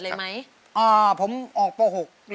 สวัสดีครับ